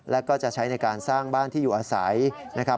แล้วก็จะใช้ในการสร้างบ้านที่อยู่อาศัยนะครับ